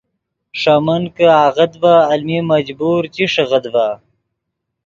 ݰے من کہ آغت ڤے المین مجبور چی ݰیغیت ڤے